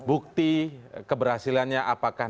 bukti keberhasilannya apakah